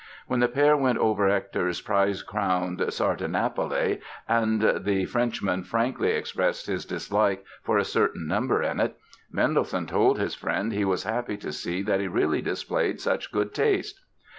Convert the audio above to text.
When the pair went over Hector's prize crowned "Sardanapale" and the Frenchman frankly expressed his dislike for a certain number in it, Mendelssohn told his friend he was happy to see that he really displayed such good taste!